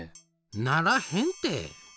ならへんて！